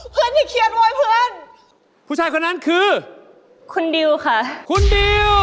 เพื่อนที่เขียนไว้เพื่อนผู้ชายคนนั้นคือคุณดิวค่ะคุณดิว